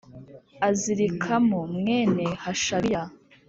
Azirikamu mwene Hashabiya